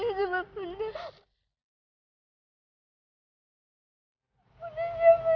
mulia' dah pas bridge perjalanan oo bye tujuh puluh tiga